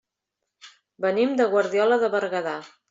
Venim de Guardiola de Berguedà.